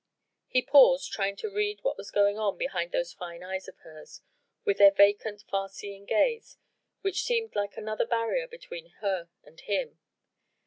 He paused, trying to read what was going on behind those fine eyes of hers, with their vacant, far seeing gaze which seemed like another barrier between her and him.